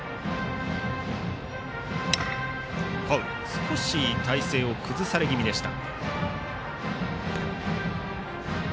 少し体勢を崩されぎみでした。